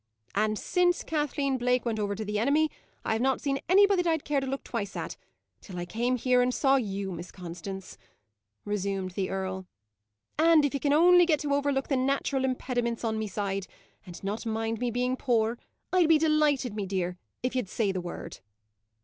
"And since Kathleen Blake went over to the enemy, I have not seen anybody that I'd care to look twice at, till I came here and saw you, Miss Constance," resumed the earl. "And if ye can only get to overlook the natural impediments on me side, and not mind me being poor, I'd be delighted, me dear, if ye'd say the word."